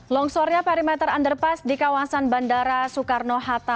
longsornya perimeter underpass di kawasan bandara soekarno hatta